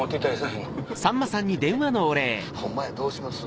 ホンマやどうします？